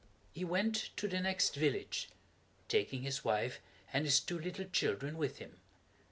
He went to the next village, taking his wife and his two little children with him.